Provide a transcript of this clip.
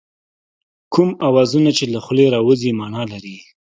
کوم اوازونه چې له خولې راوځي مانا لري